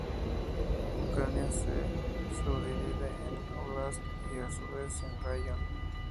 Ucrania se subdivide en Óblast y a su vez en Raion.